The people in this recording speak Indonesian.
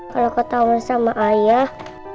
kalau ketawa sama ayah